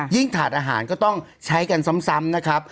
ถาดอาหารก็ต้องใช้กันซ้ำนะครับ